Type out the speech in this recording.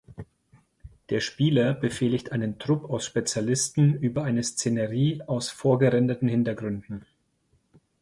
Der Spieler befehligt einen Trupp aus Spezialisten über eine Szenerie aus vorgerenderten Hintergründen.